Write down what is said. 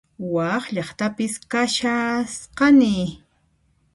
Wak llaqtapis kashasqani